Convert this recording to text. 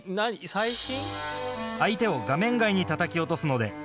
最新？